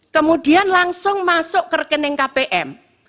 kemudian langsung masuk ke rekening kpm